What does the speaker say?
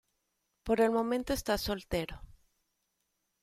Por el momento está soltero.